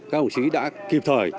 các hồng chí đã kịp thời